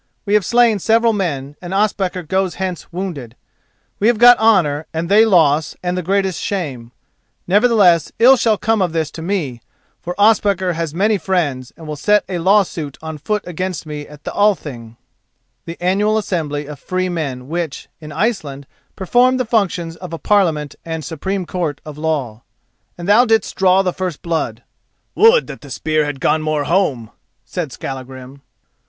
We have slain several men and Ospakar goes hence wounded. We have got honour, and they loss and the greatest shame. Nevertheless, ill shall come of this to me, for Ospakar has many friends and will set a law suit on foot against me at the Althing,[*] and thou didst draw the first blood." [*] The annual assembly of free men which, in Iceland, performed the functions of a Parliament and Supreme Court of Law. "Would that the spear had gone more home," said Skallagrim.